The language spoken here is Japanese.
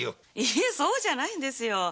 いいえそうじゃないんですよ。